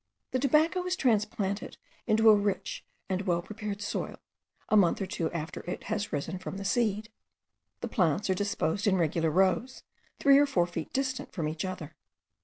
The tobacco is transplanted into a rich and well prepared soil, a month or two after it has risen from the seed. The plants are disposed in regular rows, three or four feet distant from each other.